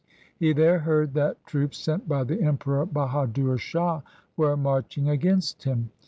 He there heard that troops sent by the Emperor Bahadur Shah were marching against him.